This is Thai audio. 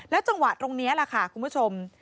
แล้วจังหวะตรงเนี้ยล่ะค่ะคุณผู้ชม